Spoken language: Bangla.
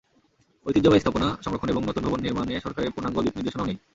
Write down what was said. ঐতিহ্যবাহী স্থাপনা সংরক্ষণ এবং নতুন ভবন নির্মাণে সরকারের পূর্ণাঙ্গ দিকনির্দেশনাও নেই।